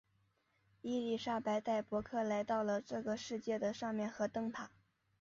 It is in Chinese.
伊丽莎白带伯克来到了这个世界的上面和灯塔。